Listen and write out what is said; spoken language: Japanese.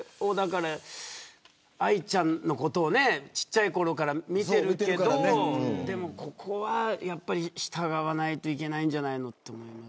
愛ちゃんのことをちっちゃいころから見ているけどここはやっぱり従わないといけないんじゃないのと思います。